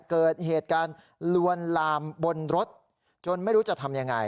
เกิดเหตุการณ์ลวนลามบนรถจนไม่รู้จะทำยังไง